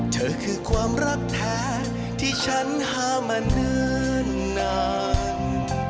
เธอคือความรักแท้ที่ฉันหามาเนิ่นนาน